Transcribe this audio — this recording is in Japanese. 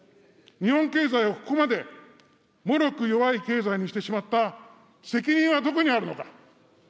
日本経済をここまでもろく弱い経済にしてしまった責任はどこにあるのか。